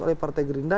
oleh partai gerindra